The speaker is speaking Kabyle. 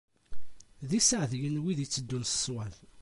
D iseɛdiyen wid itteddun s ṣṣwab.